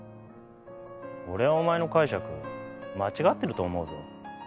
俺はお前の解釈間違ってると思うぞ。